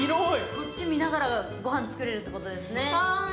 こっち見ながらごはん作れるってことですね